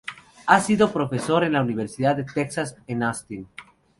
Ha sido profesor en la Universidad de Texas en Austin.